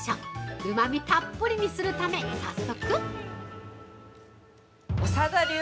うまみたっぷりにするため早速◆